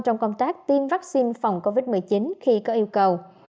trong công tác tiêm vaccine phòng covid một mươi chín khi có yêu cầu